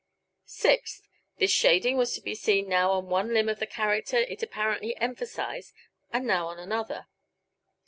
Sixth: This shading was to be seen now on one limb of the character it apparently emphasized and now on another.